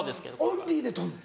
オンリーでとるの？